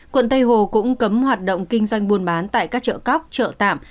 quận tây hồ cũng cấm hoạt động kinh doanh buôn bán tại các chợ cóc chợ tạm